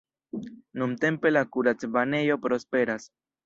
Nuntempe la kuracbanejo prosperas.